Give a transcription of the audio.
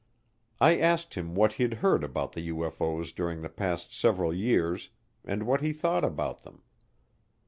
I asked him what he'd heard about the UFO's during the past several years and what he thought about them.